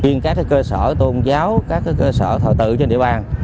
riêng các cơ sở tôn giáo các cơ sở thờ tự trên địa bàn